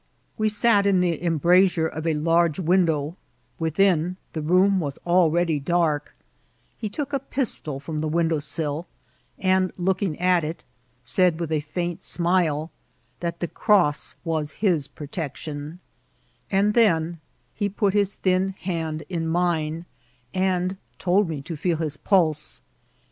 We sat in the embrasure of a large window ; within, the room was already daris^ He teek a pistol from the window sill, and, looking M it, midf with a fEunt smtie, that the enses^ was his pro* taction ; and then he put his thia hand in mine, and 178 IKCIDINTS or T&ATIL. told me to feel his pulse.